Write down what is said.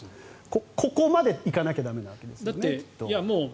ここまで行かなきゃ駄目なわけですよね。